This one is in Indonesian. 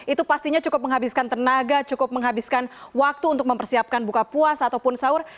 itu pastinya cukup menghabiskan tenaga cukup menghabiskan waktu untuk mempersiapkan buka puasa ataupun sahur